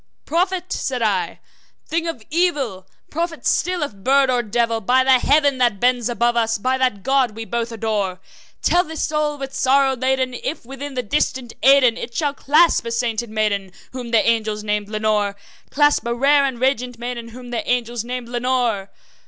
`Prophet!' said I, `thing of evil! prophet still, if bird or devil! By that Heaven that bends above us by that God we both adore Tell this soul with sorrow laden if, within the distant Aidenn, It shall clasp a sainted maiden whom the angels name Lenore Clasp a rare and radiant maiden, whom the angels name Lenore?'